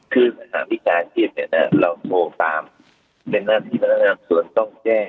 คือสหวิชาชีพเนี่ยเราโทรตามเป็นหน้าที่พนักงานส่วนต้องแจ้ง